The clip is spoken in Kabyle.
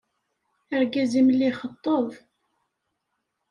Argaz-im la ixeṭṭeb.